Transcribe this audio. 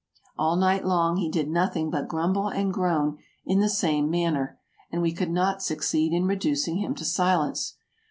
All night long he did nothing but grumble and groan in the same manner, and we could not succeed in reducing him to silence.